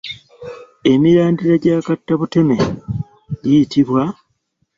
Emirandira gya kattabuteme giyitibwa?